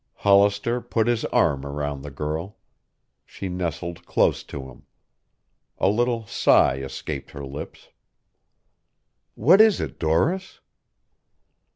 Hollister put his arm around the girl. She nestled close to him. A little sigh escaped her lips. "What is it, Doris?"